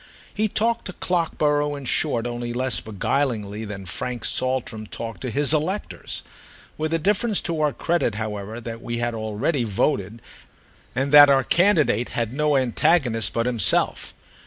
He talked to Clockborough in short only less beguilingly than Frank Saltram talked to his electors; with the difference to our credit, however, that we had already voted and that our candidate had no antagonist but himself.